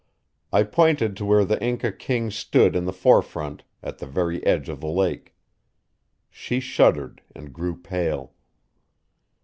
I pointed to where the Inca king stood in the forefront, at the very edge of the lake. She shuddered and grew pale.